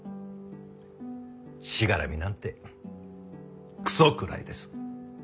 しがらみなんてクソ食らえです。